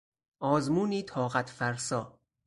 آزمونی طاقت فرسا